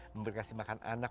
memberi kasih makan anak